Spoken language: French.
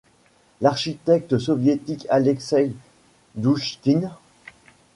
L'architecte soviétique Alexeï Douchkine.